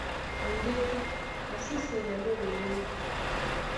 Ndé a sí esɛlɛ ɓó ɓoɓé.